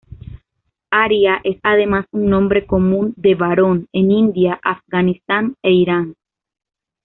Aria es además un nombre común de varón en India, Afganistán e Irán.